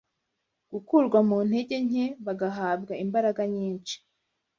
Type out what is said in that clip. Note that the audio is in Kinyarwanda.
gukurwa mu ntege nke bagahabwa imbaraga nyinshi